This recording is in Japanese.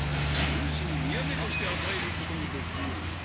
おぬしに土産として与えることもできようが。